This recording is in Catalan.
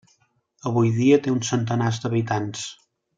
Avui dia té uns centenars d'habitants.